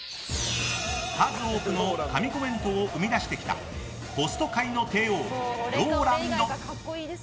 数多くの神コメントを生み出してきたホスト界の帝王、ＲＯＬＡＮＤ。